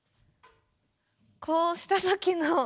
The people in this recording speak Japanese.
こうした時の。